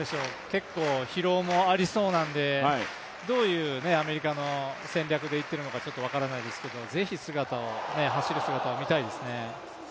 結構、疲労もありそうなので、どういうアメリカの戦略でいっているのかよく分からないんですけど、ぜひ走る姿を見たいですね。